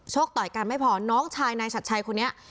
กต่อยกันไม่พอน้องชายนายชัดชัยคนนี้